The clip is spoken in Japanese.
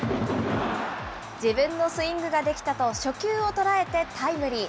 自分のスイングができたと初球を捉えてタイムリー。